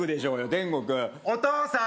天国お父さん